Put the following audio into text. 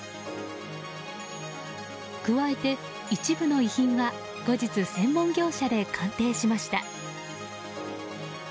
加えて、一部の遺品は後日、専門業者で鑑定しました。